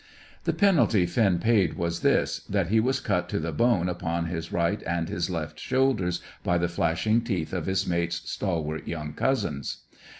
The penalty Finn paid was this, that he was cut to the bone upon his right and his left shoulders by the flashing teeth of his mate's stalwart young cousins.